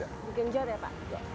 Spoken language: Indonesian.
dikenjot ya pak